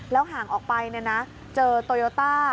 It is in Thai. ห่างออกไปเจอโตโยต้า